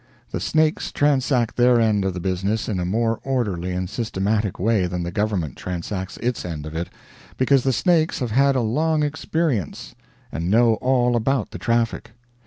The snakes transact their end of the business in a more orderly and systematic way than the government transacts its end of it, because the snakes have had a long experience and know all about the traffic.